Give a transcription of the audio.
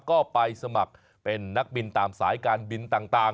ก็ไปสมัครเป็นนักบินตามสายการบินต่าง